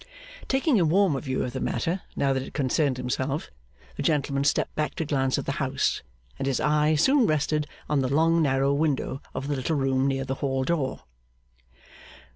Taking a warmer view of the matter now that it concerned himself, the gentleman stepped back to glance at the house, and his eye soon rested on the long narrow window of the little room near the hall door.